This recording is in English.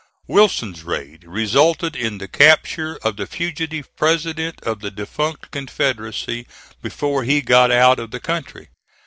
Wilson's raid resulted in the capture of the fugitive president of the defunct confederacy before he got out of the country.